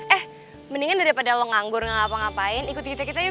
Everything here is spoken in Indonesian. eh mendingan daripada lo nganggur gak ngapa ngapain ikut kita yuk